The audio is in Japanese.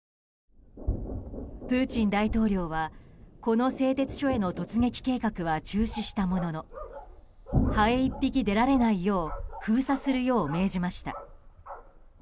プーチン大統領はこの製鉄所への突撃計画は中止したもののハエ１匹出られないよう封鎖するよう命じました。